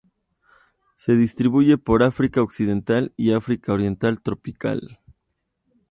Se distribuye por África occidental y África oriental tropical.